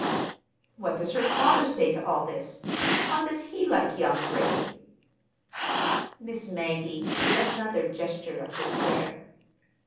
"What does her father say to all this? How does he like young Gray?" Miss Maggie gave another gesture of despair.